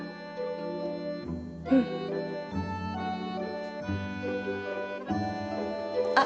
うんあっ